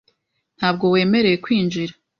Ntabwo wemerewe kwinjira.